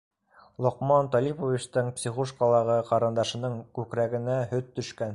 Лоҡман Талиповичтың психушкалағы ҡарындашының күкрәгенә... һөт төшкән!